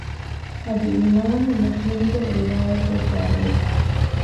އަދި އިމާމު މުސްލިމުގެ ރިވާޔަތެއްގައި ވޭ